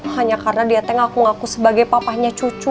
hanya karena dia teh ngaku ngaku sebagai papahnya cucu